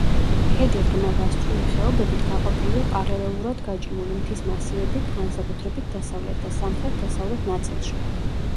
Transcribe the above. ქედი ღრმა გასწვრივი ხეობებით გაყოფილია პარალელურად გაჭიმული მთის მასივებით, განსაკუთრებით დასავლეთ და სამხრეთ-დასავლეთ ნაწილში.